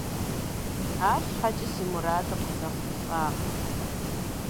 АрщхьэкӀэ си мурадыр къызэхъулӀакъым.